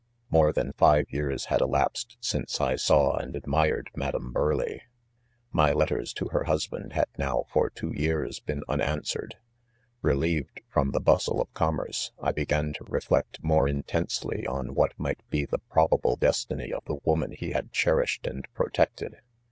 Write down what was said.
More than frre years had elapsed since I saw and admired Madam Burleigh. My letters to her husband 7 had now, for two years, been un answered, Believed feoni the bustle of com xneree, I began to reflect* more intensely on what might be the probable destiny of th s woman he had cherished and protected